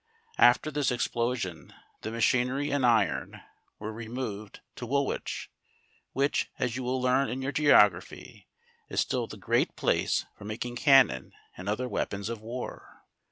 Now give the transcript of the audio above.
After this explosion, the machinery and iron were removed to Woolwich, which, as you will learn in your geography is still the great place for making cannon and other weapons of war.